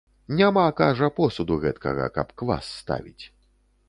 Няма, кажа, посуду гэткага, каб квас ставіць.